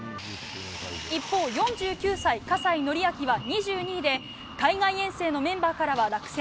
一方、４９歳、葛西紀明は２２位で海外遠征のメンバーからは落選。